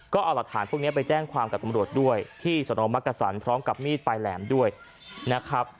ก็เอาหลักฐานพวกนี้ไปแจ้งความกับตำรวจด้วยที่สนมักกษันพร้อมกับมีดปลายแหลมด้วยนะครับ